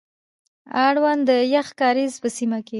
اړوند د يخ کاريز په سيمه کي،